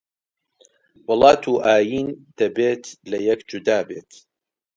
وڵات و ئایین دەبێت لێک جودابێت